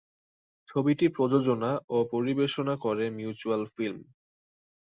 ছবিটি প্রযোজনা ও পরিবেশনা করে মিউচুয়াল ফিল্ম।